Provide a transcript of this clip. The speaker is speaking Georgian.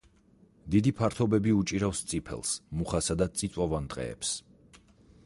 დიდი ფართობები უჭირავს წიფელს, მუხასა და წიწვოვან ტყეებს.